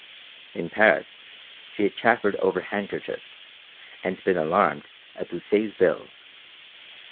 In Paris she had chaffered over handkerchiefs and been alarmed at Doucet's bill.